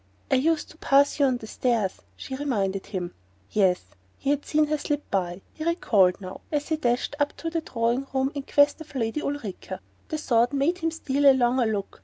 "I used to pass you on the stairs," she reminded him. Yes: he had seen her slip by he recalled it now as he dashed up to the drawing room in quest of Lady Ulrica. The thought made him steal a longer look.